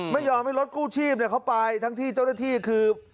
ไม่ยอมให้รถกู้ชีพเขาไปทั้งที่เจ้าหน้าที่คือ